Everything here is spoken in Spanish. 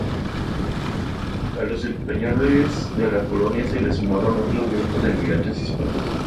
A los españoles de la colonia se les sumaron otros grupos de inmigrantes hispanos.